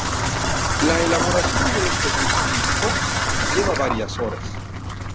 La elaboración de este dulce típico lleva varias horas.